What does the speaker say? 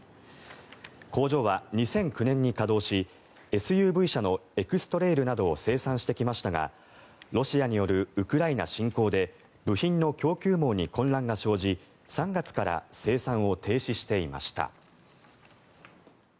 工場は２００９年に稼働しＳＵＶ車のエクストレイルなどを生産してきましたがロシアによるウクライナ侵攻で部品の供給網に混乱が生じ３月から生産を停止していました。